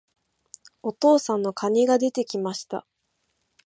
お父さんの蟹が出て来ました。